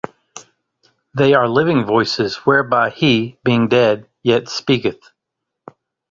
They are living voices whereby he, being dead, yet speaketh!